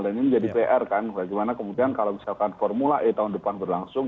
ini menjadi pr kan bagaimana kemudian kalau misalkan formula e tahun depan berlangsung